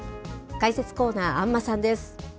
解説コーナー、安間さんです。